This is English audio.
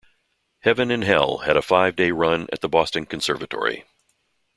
"Heaven and Hell" had a five-day run at the Boston Conservatory.